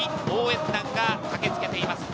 大応援団が駆けつけています。